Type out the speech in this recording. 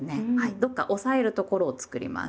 どっか押さえるところを作ります。